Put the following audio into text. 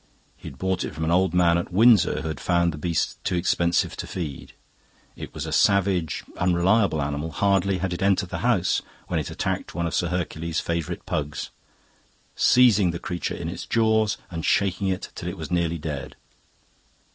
He had bought it from an old man at Windsor who had found the beast too expensive to feed. It was a savage, unreliable animal; hardly had it entered the house when it attacked one of Sir Hercules's favourite pugs, seizing the creature in its jaws and shaking it till it was nearly dead.